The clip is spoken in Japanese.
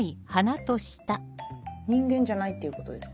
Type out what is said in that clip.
人間じゃないっていうことですか？